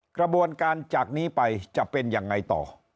กระบวนการจากนี้ไปจะเป็นยังไงต่อ